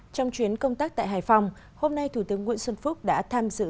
trong chuyến công tác tại hải phòng hôm nay thủ tướng nguyễn xuân phúc đã tham dự